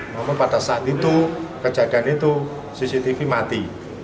namun pada saat itu kejadian itu cctv mati